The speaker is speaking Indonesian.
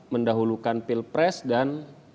mendahulukan pil pres dan